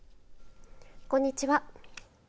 こんにちは。